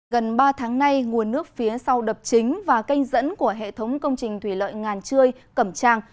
gần ba tháng nay nguồn nước phía sau đập chính và canh dẫn của hệ thống công trình thủy lợi ngàn trươi cẩm trang